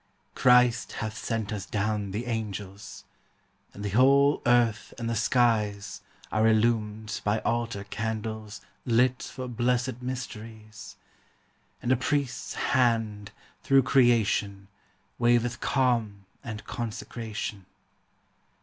Christ hath sent us down the angels; And the whole earth and the skies Are illumed by altar candles TRUTH. 35 Lit for blessed mysteries ; And a Priest's Hand, through creation, Waveth calm and consecration.